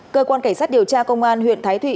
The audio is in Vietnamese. cơ quan cảnh sát điều tra công an huyện thái thụy